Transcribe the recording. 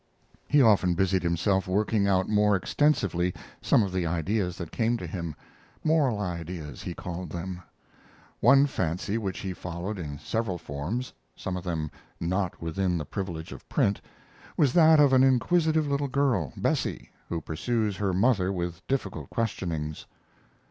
He often busied himself working out more extensively some of the ideas that came to him moral ideas, he called them. One fancy which he followed in several forms (some of them not within the privilege of print) was that of an inquisitive little girl, Bessie, who pursues her mother with difficult questionings.